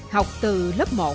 học từ lớp một